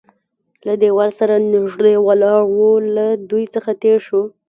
له دېوال سره نږدې ولاړ و، له دوی څخه تېر شوو.